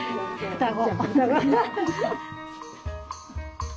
双子。